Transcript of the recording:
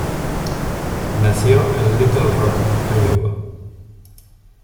Nació en Little Rock, Iowa.